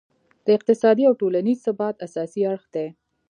د اقتصادي او ټولینز ثبات اساسي اړخ دی.